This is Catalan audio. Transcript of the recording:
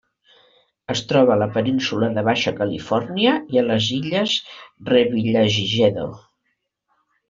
Es troba a la Península de Baixa Califòrnia i a les Illes Revillagigedo.